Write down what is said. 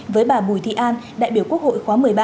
với bà bùi thị an đại biểu quốc hội khóa một mươi ba